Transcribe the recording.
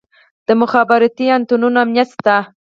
د مخابراتي انتنونو امنیت شته؟